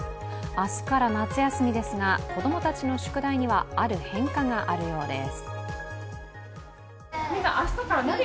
明日から夏休みですが子供たちの宿題にはある変化があるようです。